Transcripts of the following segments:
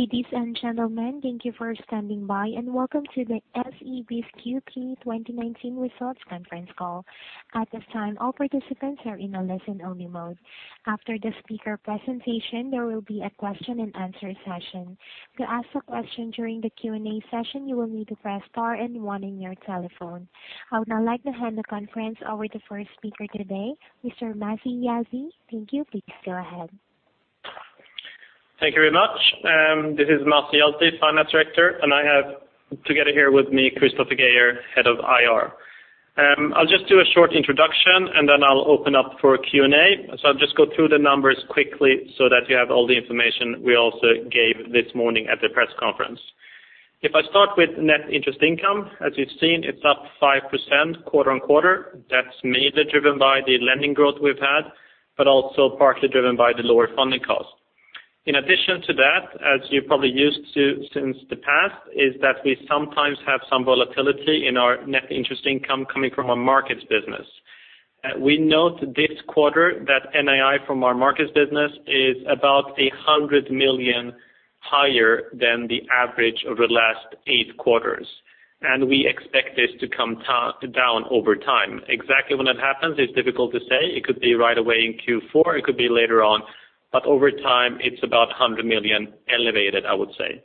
Ladies and gentlemen, thank you for standing by, and welcome to the SEB's Q3 2019 Results Conference Call. At this time, all participants are in a listen-only mode. After the speaker presentation, there will be a question and answer session. To ask a question during the Q&A session, you will need to press star and one on your telephone. I would now like to hand the conference over to the first speaker today, Mr. Masih Yazdi. Thank you. Please go ahead. Thank you very much. This is Masih Yazdi, Finance Director, and I have together here with me Christoffer Geijer, Head of IR. I'll just do a short introduction, and then I'll open up for Q&A. I'll just go through the numbers quickly so that you have all the information we also gave this morning at the press conference. If I start with net interest income, as you've seen, it's up 5% quarter-on-quarter. That's mainly driven by the lending growth we've had, but also partly driven by the lower funding cost. In addition to that, as you're probably used to since the past, is that we sometimes have some volatility in our net interest income coming from our markets business. We note this quarter that NII from our markets business is about 100 million higher than the average over the last eight quarters. We expect this to come down over time. Exactly when it happens is difficult to say. It could be right away in Q4, it could be later on. Over time it's about 100 million elevated, I would say.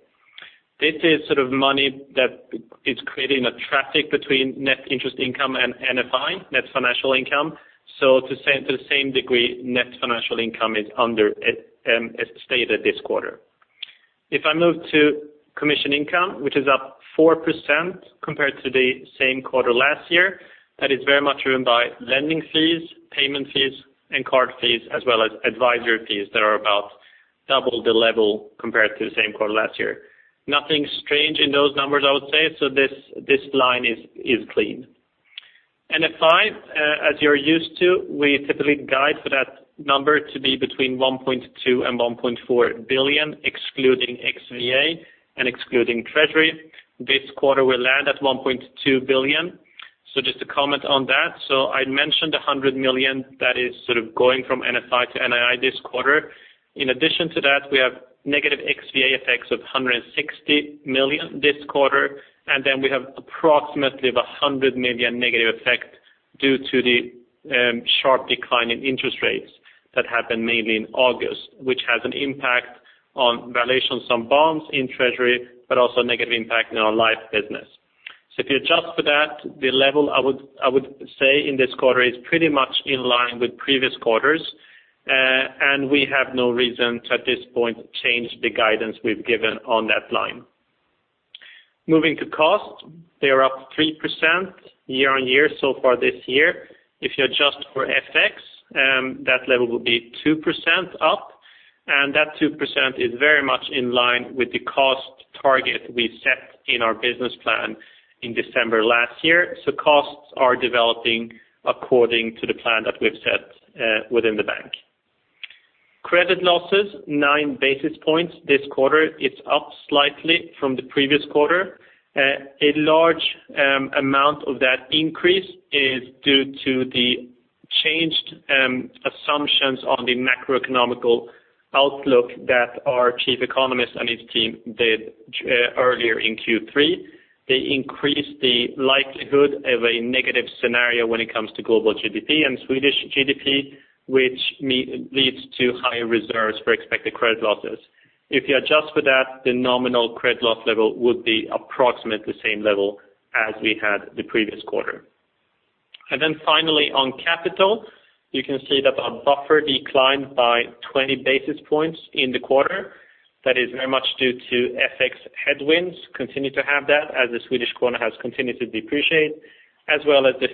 This is money that is creating a traffic between net interest income and NFI, net financial income. To the same degree, net financial income is understated this quarter. If I move to commission income, which is up 4% compared to the same quarter last year, that is very much driven by lending fees, payment fees, and card fees, as well as advisory fees that are about double the level compared to the same quarter last year. Nothing strange in those numbers, I would say. This line is clean. NFI, as you're used to, we typically guide for that number to be between 1.2 billion and 1.4 billion, excluding XVA and excluding treasury. This quarter we land at 1.2 billion, just to comment on that. I mentioned 100 million that is going from NFI to NII this quarter. In addition to that, we have negative XVA effects of 160 million this quarter. We have approximately 100 million negative effect due to the sharp decline in interest rates that happened mainly in August, which has an impact on valuation, some bonds in treasury, but also a negative impact in our life business. If you adjust for that, the level I would say in this quarter is pretty much in line with previous quarters, and we have no reason to, at this point, change the guidance we've given on that line. Moving to cost, they are up 3% year-on-year so far this year. If you adjust for FX, that level will be 2% up, that 2% is very much in line with the cost target we set in our business plan in December last year. Costs are developing according to the plan that we've set within the bank. Credit losses, 9 basis points this quarter. It's up slightly from the previous quarter. A large amount of that increase is due to the changed assumptions on the macroeconomic outlook that our chief economist and his team did earlier in Q3. They increased the likelihood of a negative scenario when it comes to global GDP and Swedish GDP, which leads to higher reserves for expected credit losses. If you adjust for that, the nominal credit loss level would be approximately the same level as we had the previous quarter. Then finally, on capital, you can see that our buffer declined by 20 basis points in the quarter. That is very much due to FX headwinds, continue to have that as the Swedish krona has continued to depreciate, as well as the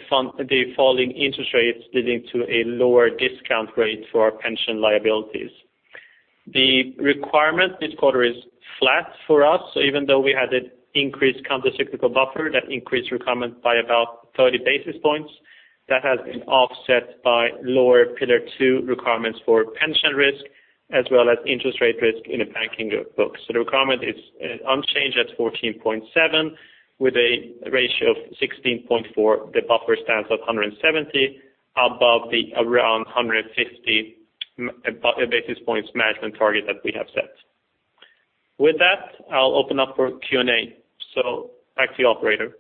falling interest rates leading to a lower discount rate for our pension liabilities. The requirement this quarter is flat for us. Even though we had an increased countercyclical buffer, that increased requirement by about 30 basis points, that has been offset by lower Pillar 2 requirements for pension risk, as well as interest rate risk in the banking books. The requirement is unchanged at 14.7 with a ratio of 16.4. The buffer stands at 170 above the around 150 basis points management target that we have set. With that, I'll open up for Q&A. Back to you, operator.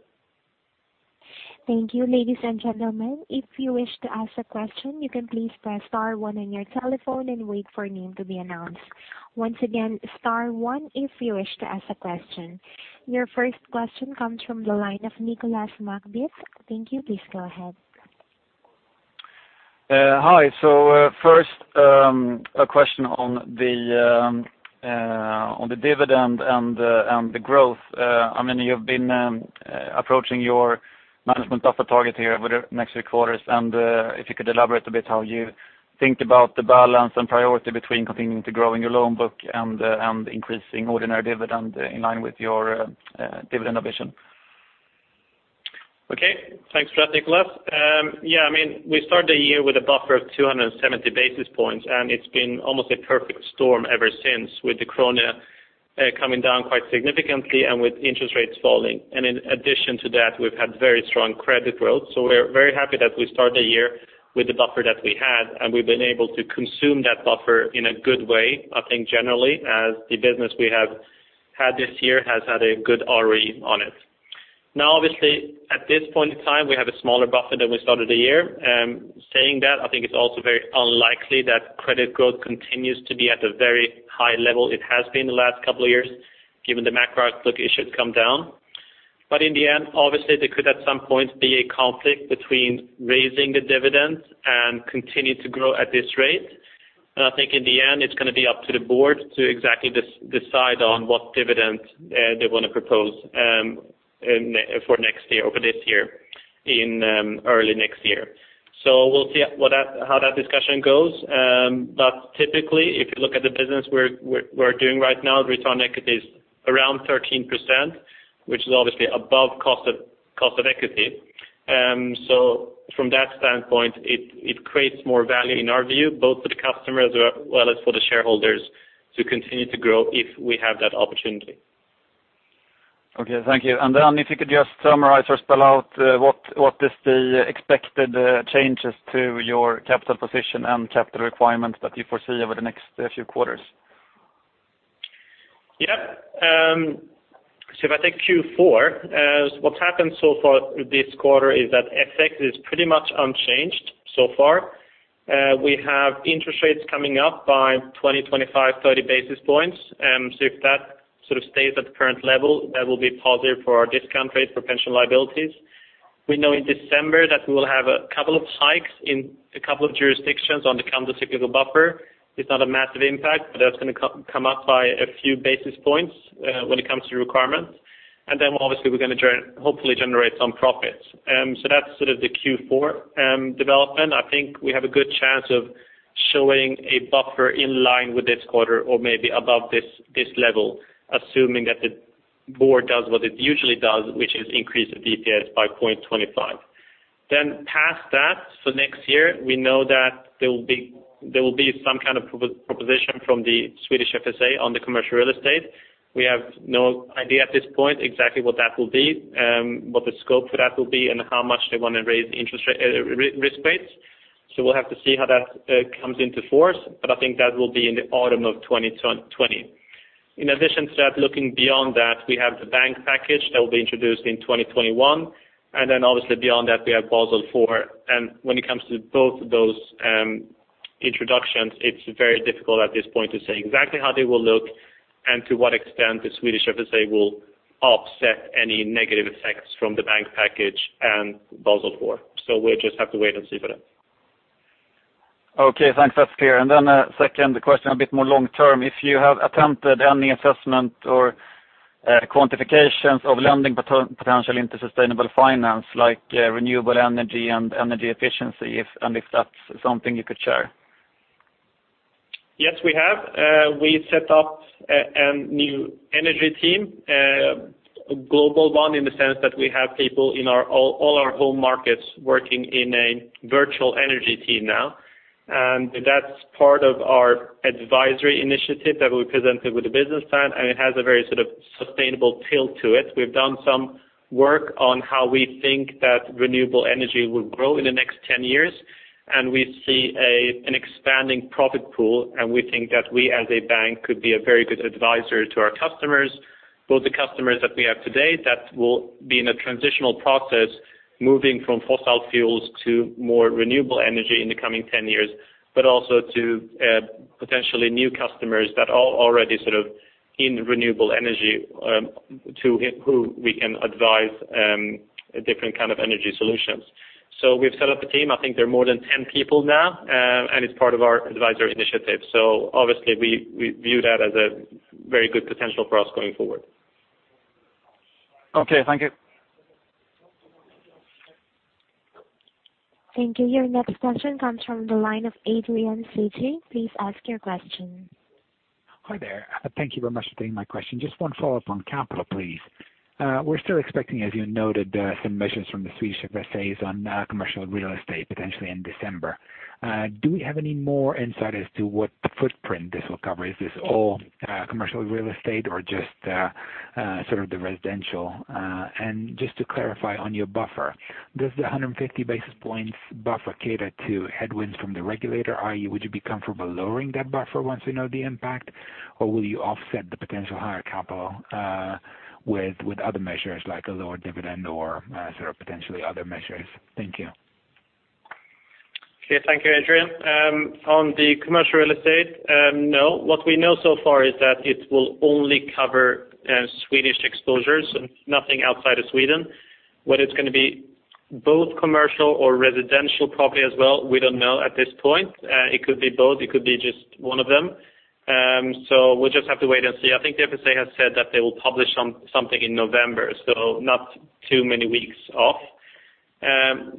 Thank you. Ladies and gentlemen, if you wish to ask a question, you can please press star one on your telephone and wait for your name to be announced. Once again, star one if you wish to ask a question. Your first question comes from the line of Nicolas Makdissi. Thank you. Please go ahead. Hi. First, a question on the dividend and the growth. You've been approaching your management buffer target here over the next few quarters, and if you could elaborate a bit how you think about the balance and priority between continuing to growing your loan book and increasing ordinary dividend in line with your dividend ambition. Okay. Thanks for that, Nicolas. We started the year with a buffer of 270 basis points, and it's been almost a perfect storm ever since, with the krona coming down quite significantly and with interest rates falling. In addition to that, we've had very strong credit growth. We're very happy that we started the year with the buffer that we had, and we've been able to consume that buffer in a good way, I think generally, as the business we have had this year has had a good ROE on it. Obviously, at this point in time, we have a smaller buffer than we started the year. Saying that, I think it's also very unlikely that credit growth continues to be at the very high level it has been the last couple of years, given the macro outlook, it should come down. In the end, obviously there could, at some point, be a conflict between raising the dividends and continue to grow at this rate. I think in the end, it's going to be up to the board to exactly decide on what dividend they want to propose for this year in early next year. We'll see how that discussion goes. Typically, if you look at the business we're doing right now, return on equity is around 13%, which is obviously above cost of equity. From that standpoint, it creates more value in our view, both for the customers as well as for the shareholders, to continue to grow if we have that opportunity. Okay, thank you. If you could just summarize or spell out what is the expected changes to your capital position and capital requirements that you foresee over the next few quarters? Yes. If I take Q4, what's happened so far this quarter is that FX is pretty much unchanged so far. We have interest rates coming up by 20, 25, 30 basis points. If that stays at the current level, that will be positive for our discount rates for pension liabilities. We know in December that we will have a couple of hikes in a couple of jurisdictions on the countercyclical buffer. It's not a massive impact, but that's going to come up by a few basis points when it comes to requirements. Obviously, we're going to hopefully generate some profits. That's the Q4 development. I think we have a good chance of showing a buffer in line with this quarter or maybe above this level, assuming that the board does what it usually does, which is increase the DPS by 0.25. Past that, so next year, we know that there will be some kind of proposition from the Swedish FSA on the commercial real estate. We have no idea at this point exactly what that will be, what the scope for that will be, and how much they want to raise risk rates. We'll have to see how that comes into force, but I think that will be in the autumn of 2020. In addition to that, looking beyond that, we have the Banking Package that will be introduced in 2021. Obviously beyond that, we have Basel IV. When it comes to both of those introductions, it's very difficult at this point to say exactly how they will look and to what extent the Swedish FSA will offset any negative effects from the Banking Package and Basel IV. We'll just have to wait and see for that. Okay. Thanks. That's clear. A second question, a bit more long-term, if you have attempted any assessment or quantifications of lending potential into sustainable finance like renewable energy and energy efficiency, and if that's something you could share? Yes, we have. We set up a new energy team, a global one in the sense that we have people in all our home markets working in a virtual energy team now. That's part of our advisory initiative that we presented with the business plan, and it has a very sustainable tilt to it. We've done some work on how we think that renewable energy will grow in the next 10 years, and we see an expanding profit pool, and we think that we as a bank could be a very good advisor to our customers, both the customers that we have today that will be in a transitional process moving from fossil fuels to more renewable energy in the coming 10 years, but also to potentially new customers that are already in renewable energy, to who we can advise different kind of energy solutions. We've set up a team. I think there are more than 10 people now, and it's part of our advisory initiative. Obviously we view that as a very good potential for us going forward. Okay, thank you. Thank you. Your next question comes from the line of Adrian C.J. Please ask your question. Hi there. Thank you very much for taking my question. Just one follow-up on capital, please. We're still expecting, as you noted, some measures from the Swedish FSA on commercial real estate potentially in December. Do we have any more insight as to what footprint this will cover? Is this all commercial real estate or just the residential? Just to clarify on your buffer, does the 150 basis points buffer cater to headwinds from the regulator? I.e., would you be comfortable lowering that buffer once we know the impact, or will you offset the potential higher capital with other measures like a lower dividend or potentially other measures? Thank you. Okay. Thank you, Adrian. On the commercial real estate, no. What we know so far is that it will only cover Swedish exposures and nothing outside of Sweden. Whether it's going to be both commercial or residential property as well, we don't know at this point. It could be both. It could be just one of them. We'll just have to wait and see. I think the FSA has said that they will publish something in November, not too many weeks off.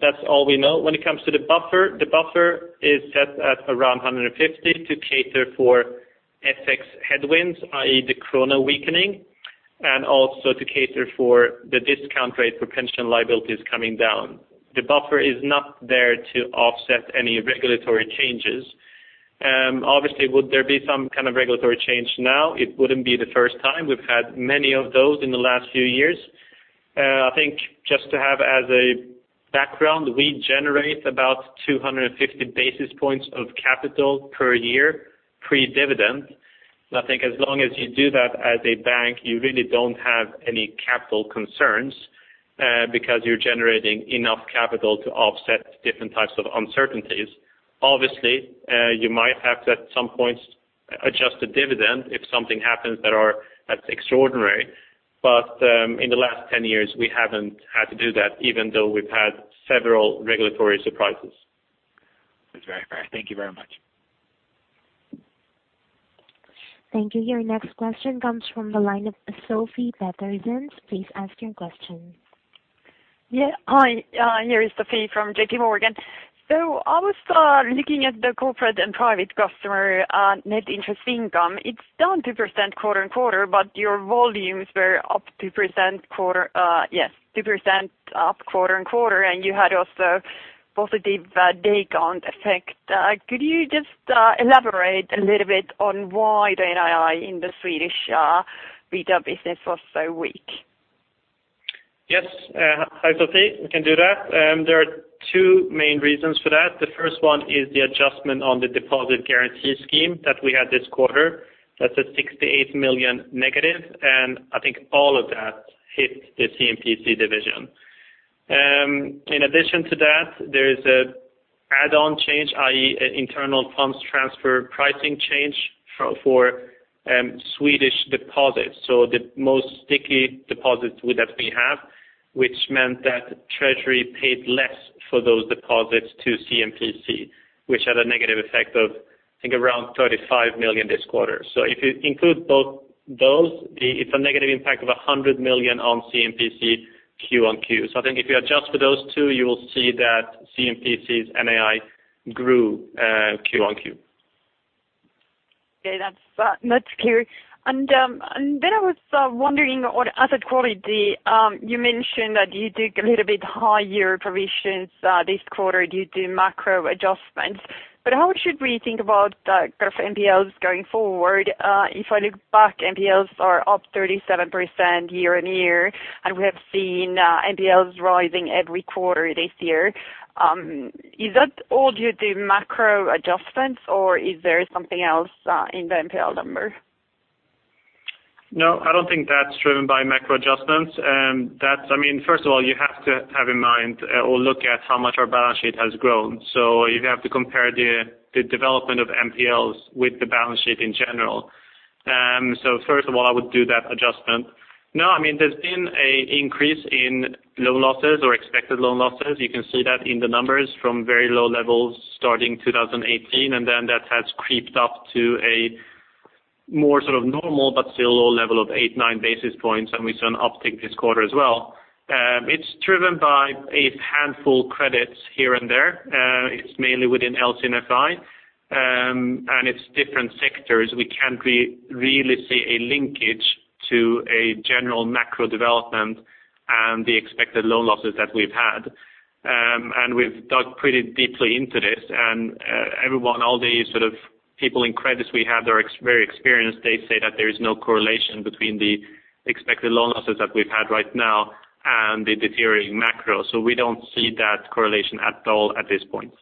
That's all we know. When it comes to the buffer, the buffer is set at around 150 to cater for FX headwinds, i.e., the krona weakening, and also to cater for the discount rate for pension liabilities coming down. The buffer is not there to offset any regulatory changes. Obviously, would there be some kind of regulatory change now? It wouldn't be the first time. We've had many of those in the last few years. I think just to have as a background, we generate about 250 basis points of capital per year pre-dividend. I think as long as you do that as a bank, you really don't have any capital concerns because you're generating enough capital to offset different types of uncertainties. Obviously, you might have to, at some points, adjust the dividend if something happens that's extraordinary. In the last 10 years, we haven't had to do that even though we've had several regulatory surprises. That's very fair. Thank you very much. Thank you. Your next question comes from the line of Sofie Peterzens. Please ask your question. Hi, here is Sofie from J.P. Morgan. I was looking at the Corporate & Private Customers net interest income. It's down 2% quarter-on-quarter. Your volumes were up 2% quarter-on-quarter. You had also positive day count effect. Could you just elaborate a little bit on why the NII in the Swedish retail business was so weak? Yes. Hi, Sofie. We can do that. There are two main reasons for that. The first one is the adjustment on the deposit guarantee scheme that we had this quarter. That's a 68 million negative. I think all of that hit the C&PC division. In addition to that, there is an add-on change, i.e., internal funds transfer pricing change for Swedish deposits. The most sticky deposits that we have, which meant that treasury paid less for those deposits to C&PC, which had a negative effect of, I think, around 35 million this quarter. If you include both those, it's a negative impact of 100 million on C&PC Q-on-Q. I think if you adjust for those two, you will see that C&PC's NII grew Q-on-Q. Okay, that's clear. I was wondering on asset quality. You mentioned that you took a little bit higher provisions this quarter due to macro adjustments. How should we think about NPLs going forward? If I look back, NPLs are up 37% year-on-year, and we have seen NPLs rising every quarter this year. Is that all due to macro adjustments or is there something else in the NPL number? No, I don't think that's driven by macro adjustments. First of all, you have to have in mind or look at how much our balance sheet has grown. You have to compare the development of NPLs with the balance sheet in general. First of all, I would do that adjustment. No, there's been an increase in low losses or expected loan losses. You can see that in the numbers from very low levels starting 2018, and then that has creeped up to a more normal but still low level of eight, nine basis points, and we saw an uptick this quarter as well. It's driven by a handful credits here and there. It's mainly within LC&FI, and it's different sectors. We can't really see a linkage to a general macro development and the expected loan losses that we've had. We've dug pretty deeply into this. Everyone, all the sort of people in credits we have, they're very experienced. They say that there is no correlation between the expected loan losses that we've had right now and the deteriorating macro. We don't see that correlation at all at this point.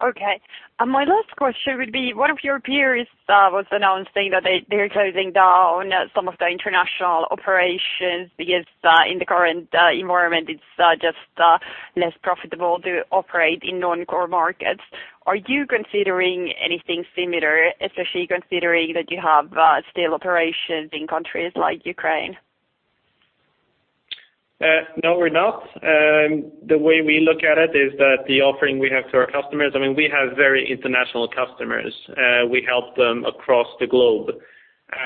Okay. My last question would be, one of your peers was announcing that they're closing down some of the international operations because in the current environment, it's just less profitable to operate in non-core markets. Are you considering anything similar, especially considering that you have still operations in countries like Ukraine? No, we're not. The way we look at it is that the offering we have to our customers. We have very international customers. We help them across the globe,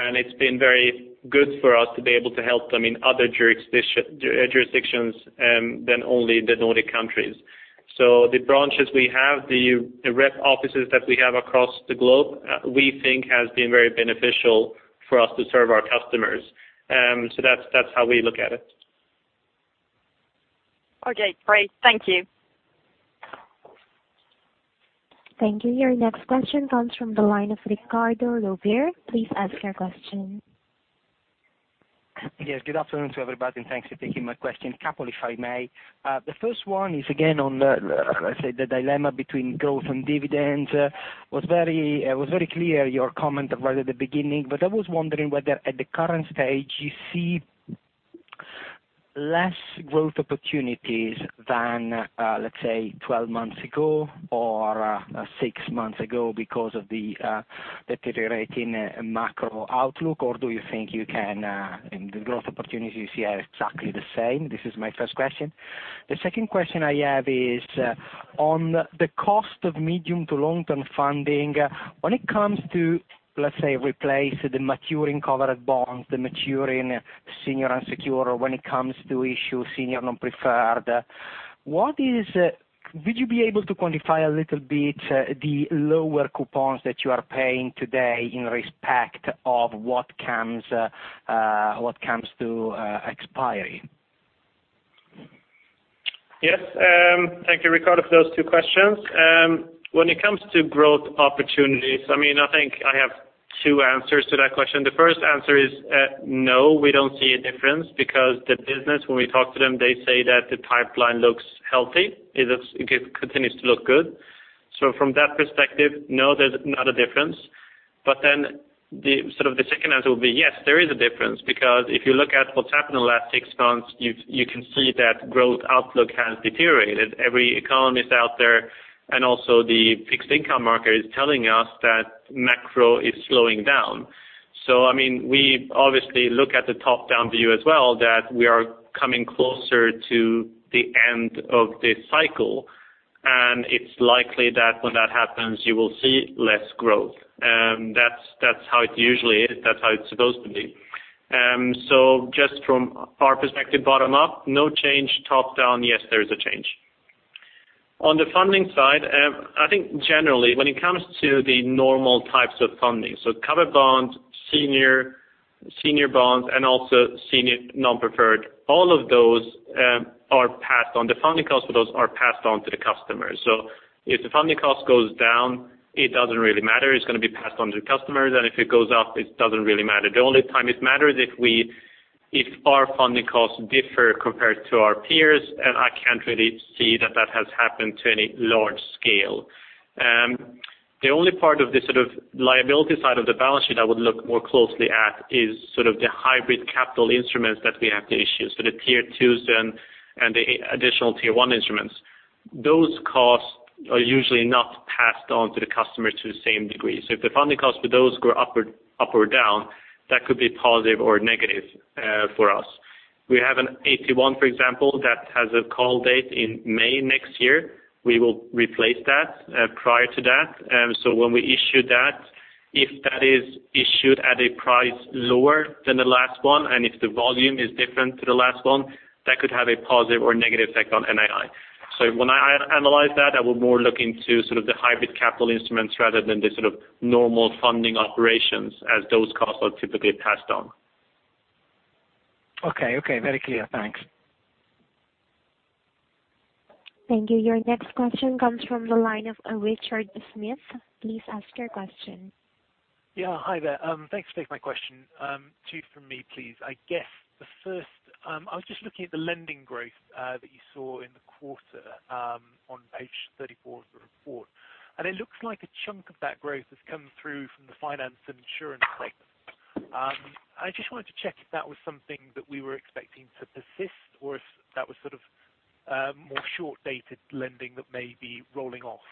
and it's been very good for us to be able to help them in other jurisdictions than only the Nordic countries. The branches we have, the rep offices that we have across the globe, we think has been very beneficial for us to serve our customers. That's how we look at it. Okay, great. Thank you. Thank you. Your next question comes from the line of Riccardo Rovere. Please ask your question. Yes, good afternoon to everybody and thanks for taking my question. A couple, if I may. The first one is again on, let's say, the dilemma between growth and dividends. It was very clear your comment right at the beginning, but I was wondering whether at the current stage you see less growth opportunities than, let's say, 12 months ago or six months ago because of the deteriorating macro outlook, or do you think the growth opportunities here are exactly the same? This is my first question. The second question I have is on the cost of medium to long-term funding. When it comes to, let's say, replace the maturing covered bonds, the maturing senior unsecured, or when it comes to issue senior non-preferred, would you be able to quantify a little bit the lower coupons that you are paying today in respect of what comes to expiry? Yes. Thank you, Riccardo, for those two questions. When it comes to growth opportunities, I think I have two answers to that question. The first answer is no, we don't see a difference because the business, when we talk to them, they say that the pipeline looks healthy. It continues to look good. From that perspective, no, there's not a difference. The second answer will be, yes, there is a difference, because if you look at what's happened in the last six months, you can see that growth outlook has deteriorated. Every economist out there, and also the fixed income market, is telling us that macro is slowing down. We obviously look at the top-down view as well, that we are coming closer to the end of this cycle. It's likely that when that happens, you will see less growth. That's how it usually is. That's how it's supposed to be. Just from our perspective, bottom up, no change. Top down, yes, there is a change. On the funding side, I think generally when it comes to the normal types of funding, so covered bonds, senior bonds, and also senior non-preferred, all of those are passed on. The funding costs for those are passed on to the customer. If the funding cost goes down, it doesn't really matter. It's going to be passed on to the customer. If it goes up, it doesn't really matter. The only time it matters, if our funding costs differ compared to our peers, and I can't really see that that has happened to any large scale. The only part of the liability side of the balance sheet I would look more closely at is the hybrid capital instruments that we have to issue. The tier 2s and the additional tier 1 instruments. Those costs are usually not passed on to the customer to the same degree. If the funding costs for those go up or down, that could be positive or negative for us. We have an AT1, for example, that has a call date in May next year. We will replace that prior to that. When we issue that, if that is issued at a price lower than the last one, and if the volume is different to the last one, that could have a positive or negative effect on NII. When I analyze that, I would more look into the hybrid capital instruments rather than the normal funding operations as those costs are typically passed on. Okay. Very clear. Thanks. Thank you. Your next question comes from the line of Richard Smith. Please ask your question. Yeah. Hi there. Thanks for taking my question. 2 from me, please. I guess the first, I was just looking at the lending growth that you saw in the quarter on page 34 of the report. It looks like a chunk of that growth has come through from the finance and insurance segment. I just wanted to check if that was something that we were expecting to persist or if that was more short-dated lending that may be rolling off.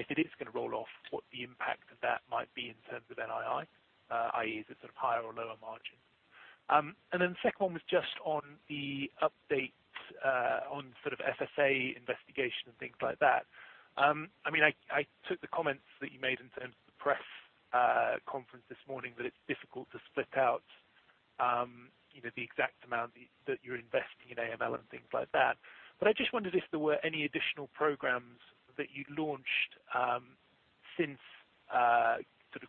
If it is going to roll off, what the impact of that might be in terms of NII, i.e., is it sort of higher or lower margin? The second one was just on the updates on sort of FSA investigation and things like that. I took the comments that you made in terms of the press conference this morning, that it's difficult to split out the exact amount that you're investing in AML and things like that. I just wondered if there were any additional programs that you'd launched since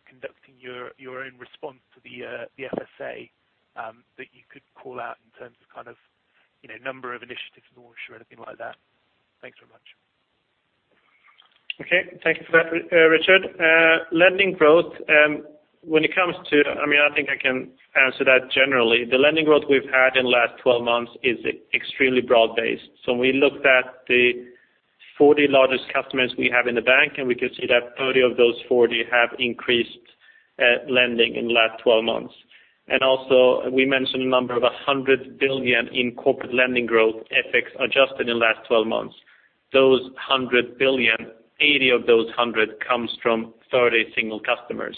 conducting your own response to the FSA that you could call out in terms of number of initiatives launched or anything like that. Thanks very much. Okay. Thank you for that, Richard. Lending growth, when it comes to I think I can answer that generally. The lending growth we've had in the last 12 months is extremely broad-based. We looked at the 40 largest customers we have in the bank, and we can see that 30 of those 40 have increased lending in the last 12 months. We mentioned a number of 100 billion in corporate lending growth, FX-adjusted in the last 12 months. Those 100 billion, 80 of those 100 comes from 30 single customers.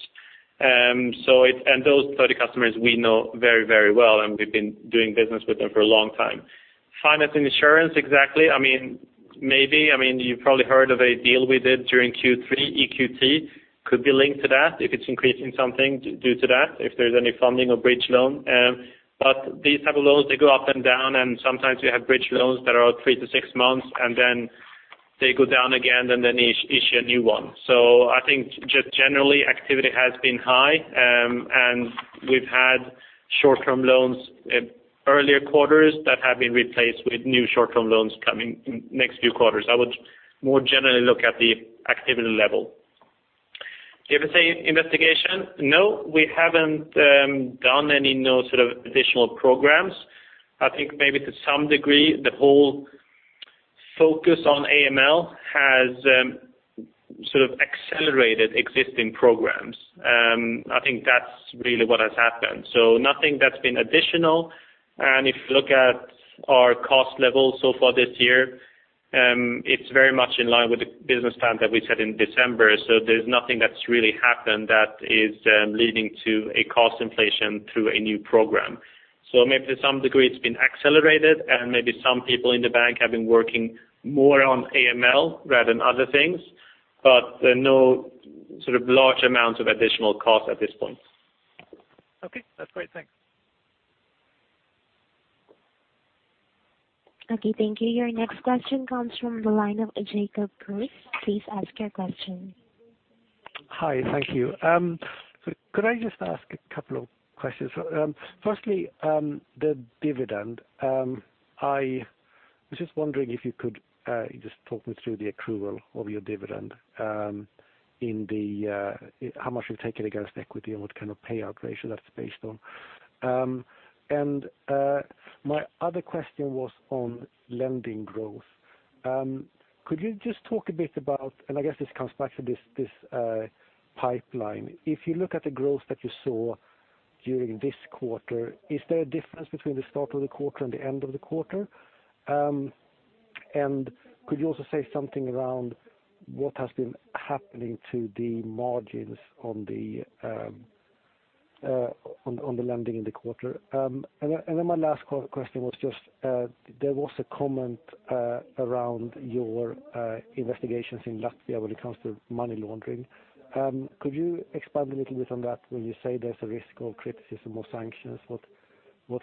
Those 30 customers we know very well, and we've been doing business with them for a long time. Finance and insurance, exactly. Maybe. You've probably heard of a deal we did during Q3, EQT could be linked to that if it's increasing something due to that, if there's any funding or bridge loan. These type of loans, they go up and down, and sometimes we have bridge loans that are three to six months, and then they go down again, and then they issue a new one. I think just generally, activity has been high. We've had short-term loans in earlier quarters that have been replaced with new short-term loans coming next few quarters. I would more generally look at the activity level. The FSA investigation, no, we haven't done any sort of additional programs. I think maybe to some degree, the whole focus on AML has sort of accelerated existing programs. I think that's really what has happened. Nothing that's been additional. If you look at our cost levels so far this year, it's very much in line with the business plan that we set in December. There's nothing that's really happened that is leading to a cost inflation through a new program. Maybe to some degree, it's been accelerated and maybe some people in the bank have been working more on AML rather than other things, but no sort of large amounts of additional cost at this point. Okay. That's great. Thanks. Okay. Thank you. Your next question comes from the line of Jacob Kruse. Please ask your question. Hi. Thank you. Could I just ask a couple of questions? Firstly, the dividend. I was just wondering if you could just talk me through the accrual of your dividend, how much you've taken against equity and what kind of payout ratio that's based on. My other question was on lending growth. Could you just talk a bit about, and I guess this comes back to this pipeline. If you look at the growth that you saw during this quarter, is there a difference between the start of the quarter and the end of the quarter? Could you also say something around what has been happening to the margins on the lending in the quarter? My last question was just, there was a comment around your investigations in Latvia when it comes to money laundering. Could you expand a little bit on that when you say there's a risk of criticism or sanctions? What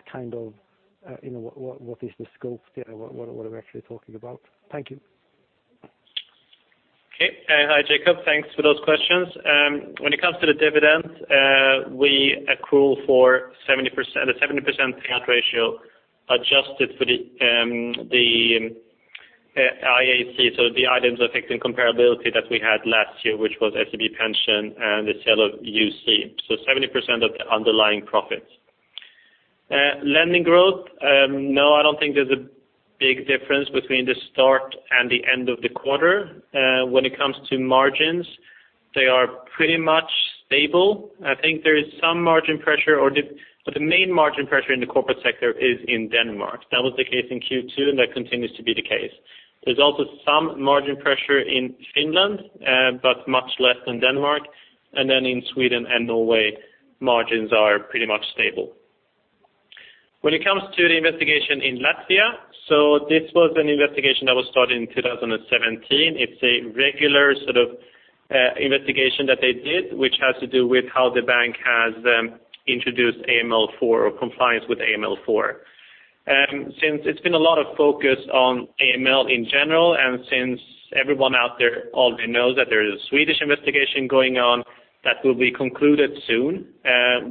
is the scope there? What are we actually talking about? Thank you. Okay. Hi, Jacob. Thanks for those questions. When it comes to the dividend, we accrue for the 70% payout ratio adjusted for the IAC. The items affecting comparability that we had last year, which was SEB pension and the sale of UC. 70% of the underlying profits. Lending growth, no, I don't think there's a big difference between the start and the end of the quarter. When it comes to margins, they are pretty much stable. I think there is some margin pressure, but the main margin pressure in the corporate sector is in Denmark. That was the case in Q2, and that continues to be the case. There's also some margin pressure in Finland, but much less than Denmark. In Sweden and Norway, margins are pretty much stable. When it comes to the investigation in Latvia, this was an investigation that was started in 2017. It's a regular sort of investigation that they did, which has to do with how the bank has introduced AMLD4 or compliance with AMLD4. Since it's been a lot of focus on AML in general, and since everyone out there already knows that there is a Swedish investigation going on that will be concluded soon,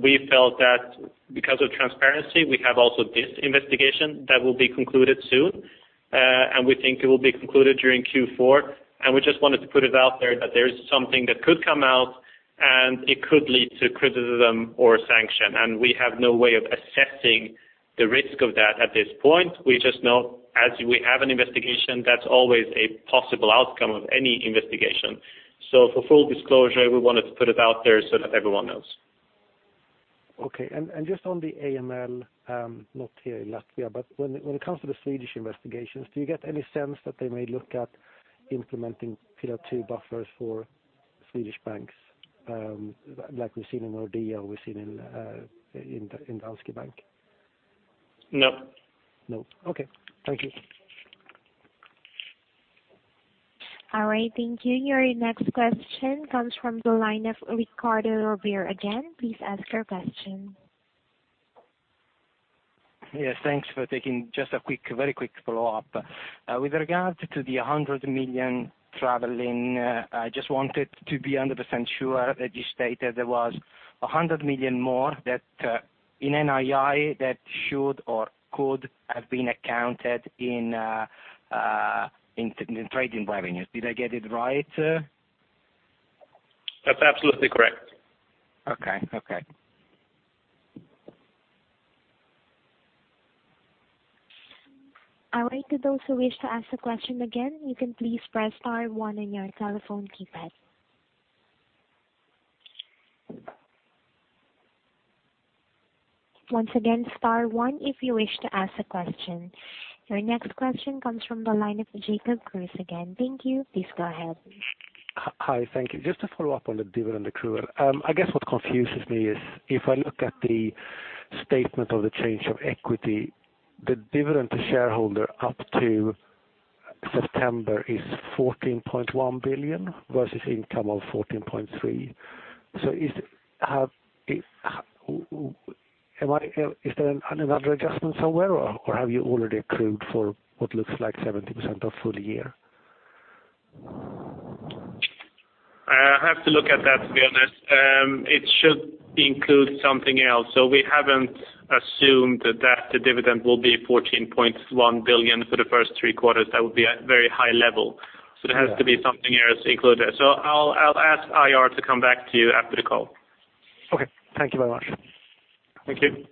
we felt that because of transparency, we have also this investigation that will be concluded soon, and we think it will be concluded during Q4. We just wanted to put it out there that there is something that could come out, and it could lead to criticism or sanction, and we have no way of assessing the risk of that at this point. We just know as we have an investigation, that's always a possible outcome of any investigation. For full disclosure, we wanted to put it out there so that everyone knows. Okay. Just on the AML, not here in Latvia, but when it comes to the Swedish investigations, do you get any sense that they may look at implementing Pillar 2 buffers for Swedish banks like we've seen in Nordea, we've seen in Danske Bank? No. No. Okay. Thank you. All right. Thank you. Your next question comes from the line of Riccardo Rovere again. Please ask your question. Yes, thanks for taking. Just a very quick follow-up. With regard to the 100 million traveling, I just wanted to be 100% sure that you stated there was 100 million more that in NII that should or could have been accounted in trading revenues. Did I get it right? That's absolutely correct. Okay. All right. To those who wish to ask the question again, you can please press star one on your telephone keypad. Once again, star one if you wish to ask a question. Your next question comes from the line of Jacob Kruse again. Thank you. Please go ahead. Hi. Thank you. Just to follow up on the dividend accrual. I guess what confuses me is if I look at the statement of the change of equity, the dividend to shareholder up to September is 14.1 billion versus income of 14.3 billion. Is there another adjustment somewhere, or have you already accrued for what looks like 70% of full year? I have to look at that, to be honest. It should include something else. We haven't assumed that the dividend will be 14.1 billion for the first three quarters. That would be a very high level. There has to be something else included. I'll ask IR to come back to you after the call. Okay. Thank you very much. Thank you.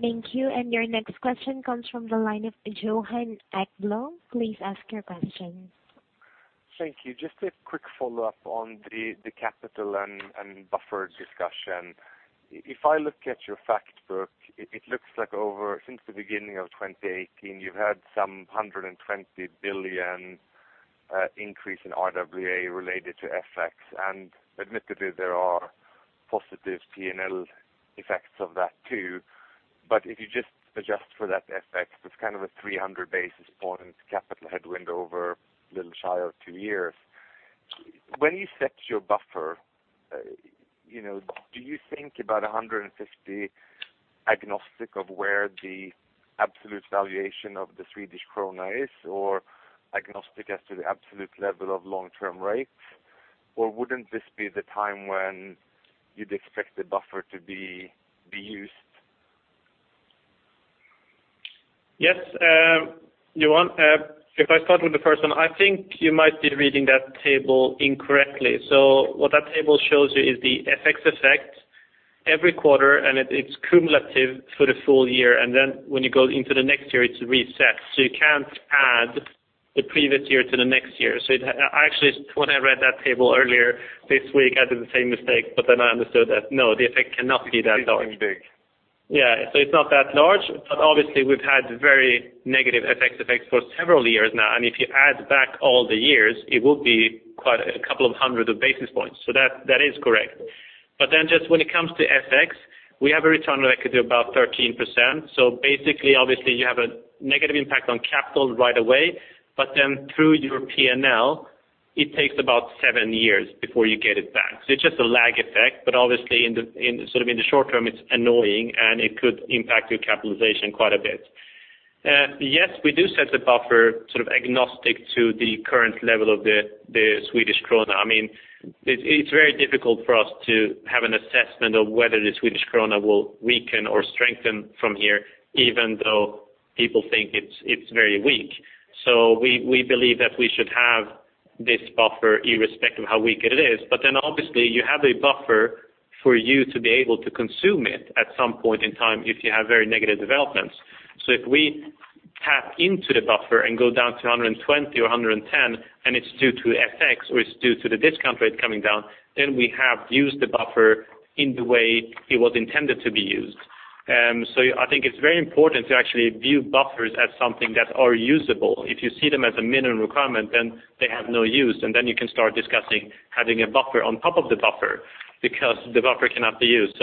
Thank you. Your next question comes from the line of Johan Ekblom. Please ask your question. Thank you. Just a quick follow-up on the capital and buffer discussion. If I look at your fact book, it looks like since the beginning of 2018, you've had some 120 billion increase in RWA related to FX. Admittedly, there are positive P&L effects of that too. If you just adjust for that FX, it's kind of a 300 basis points capital headwind over a little shy of two years. When you set your buffer, do you think about 150 agnostic of where the absolute valuation of the Swedish krona is, or agnostic as to the absolute level of long-term rates? Wouldn't this be the time when you'd expect the buffer to be used? Yes, Johan. If I start with the first one, I think you might be reading that table incorrectly. What that table shows you is the FX effect every quarter, and it's cumulative for the full year. When you go into the next year, it's reset. You can't add the previous year to the next year. Actually, when I read that table earlier this week, I did the same mistake, but then I understood that no, the effect cannot be that large. Seeming big. It's not that large. Obviously we've had very negative FX effects for several years now, and if you add back all the years, it will be quite a couple of hundred basis points. That is correct. Just when it comes to FX, we have a return on equity of about 13%. Basically obviously you have a negative impact on capital right away. Through your P&L, it takes about seven years before you get it back. It's just a lag effect. Obviously in the short term it's annoying and it could impact your capitalization quite a bit. We do set the buffer sort of agnostic to the current level of the Swedish krona. It's very difficult for us to have an assessment of whether the Swedish krona will weaken or strengthen from here, even though people think it's very weak. We believe that we should have this buffer irrespective of how weak it is. Obviously you have a buffer for you to be able to consume it at some point in time if you have very negative developments. If we tap into the buffer and go down to 120 or 110, and it's due to FX or it's due to the discount rate coming down, then we have used the buffer in the way it was intended to be used. I think it's very important to actually view buffers as something that are usable. If you see them as a minimum requirement, then they have no use, and then you can start discussing having a buffer on top of the buffer because the buffer cannot be used.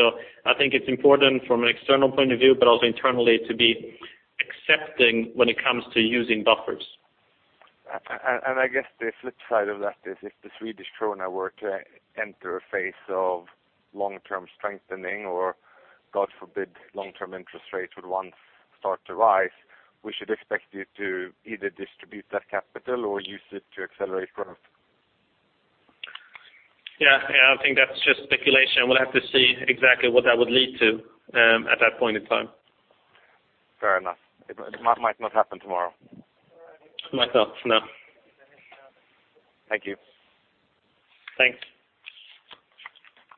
I think it's important from an external point of view, but also internally to be accepting when it comes to using buffers. I guess the flip side of that is if the Swedish krona were to enter a phase of long-term strengthening or, God forbid, long-term interest rates would once start to rise, we should expect you to either distribute that capital or use it to accelerate growth. Yeah. I think that's just speculation. We'll have to see exactly what that would lead to at that point in time. Fair enough. It might not happen tomorrow. Might not, no. Thank you. Thanks.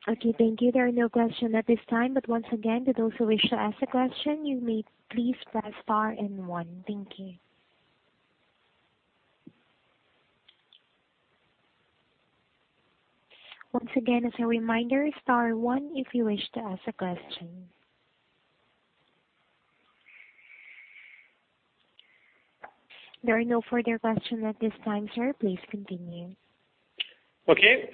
Okay, thank you. There are no questions at this time, but once again, those who wish to ask a question, you may please press star 1. Thank you. Once again, as a reminder, star 1 if you wish to ask a question. There are no further questions at this time, sir. Please continue. Okay.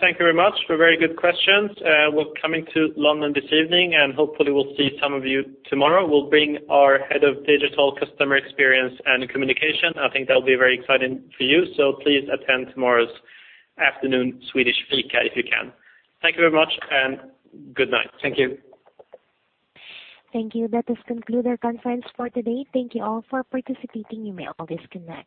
Thank you very much for very good questions. We're coming to London this evening and hopefully we'll see some of you tomorrow. We'll bring our head of digital customer experience and communication. I think that'll be very exciting for you. Please attend tomorrow's afternoon Swedish fika if you can. Thank you very much and good night. Thank you. Thank you. That does conclude our conference for today. Thank you all for participating. You may all disconnect.